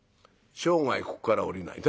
生涯ここから降りない」。